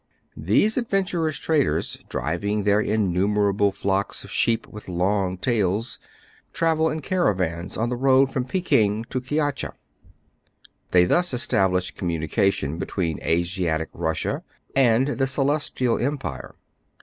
These adventurous traders, driving their innumerable flocks of sheep with long tails, travel in caravans on the road from Pekin to Kiatcha. They thus establish communication be tween Asiatic Russia and the Celestial Empire.